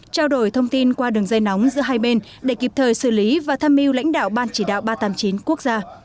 trao đổi thông tin qua đường dây nóng giữa hai bên để kịp thời xử lý và tham mưu lãnh đạo ban chỉ đạo ba trăm tám mươi chín quốc gia